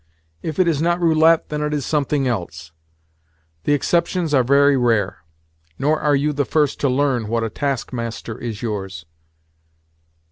If it is not roulette, then it is something else. The exceptions are very rare. Nor are you the first to learn what a taskmaster is yours.